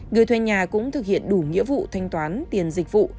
người thuê nhà cũng thực hiện đủ nghĩa vụ thanh toán tiền dịch vụ